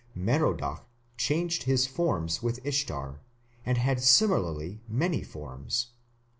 Merodach changed his forms with Ishtar, and had similarly many forms.